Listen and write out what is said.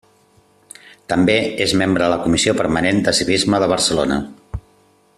També és membre de la Comissió Permanent de Civisme de Barcelona.